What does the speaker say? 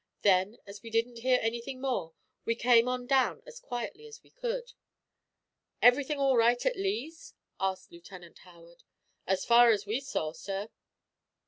Then, as we didn't hear anything more, we came on down as quietly as we could." "Everything all right at Lee's?" asked Lieutenant Howard. "As far as we saw, sir."